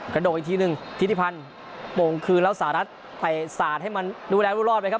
กระโดดอีกทีหนึ่งธิติพันธ์โมงคืนแล้วสาดัดแต่สาดให้มันดูแลรู้รอดไปครับ